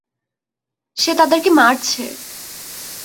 সে তাদেরকে মারছে।